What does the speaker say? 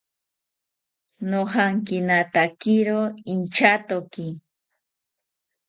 Nojankinatakiro inchatoki